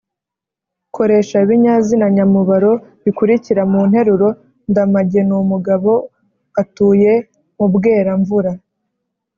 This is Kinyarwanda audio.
koresha ibinyazina nyamubaro bikurikira mu nterurondamage ni umugabo atuye mu bweramvura.